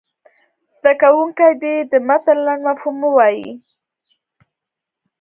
زده کوونکي دې د متن لنډ مفهوم ووایي.